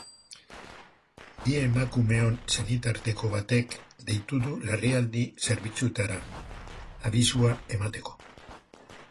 Bi emakumeon senitarteko batek deitu du larrialdi zerbitzuetara, abisua emateko.